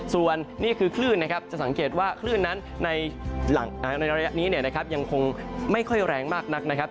ส่วนนี่คือคลื่นนะครับจะสังเกตว่าคลื่นนั้นในระยะนี้เนี่ยนะครับยังคงไม่ค่อยแรงมากนักนะครับ